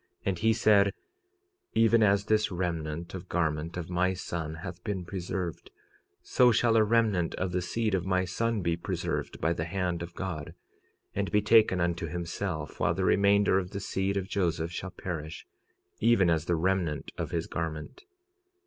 And he said—Even as this remnant of garment of my son hath been preserved, so shall a remnant of the seed of my son be preserved by the hand of God, and be taken unto himself, while the remainder of the seed of Joseph shall perish, even as the remnant of his garment.